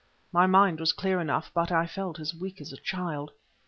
My mind was clear enough, but I felt as weak as a child.